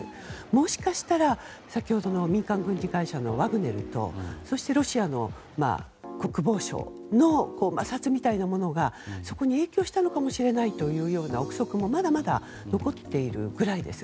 もしかしたら、先ほどの民間軍事会社のワグネルとそして、ロシア国防省の摩擦みたいなものがそこに影響したのかもしれないという憶測もまだまだ残っているぐらいです。